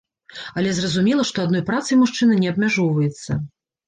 Але зразумела, што адной працай мужчына не абмяжоўваецца.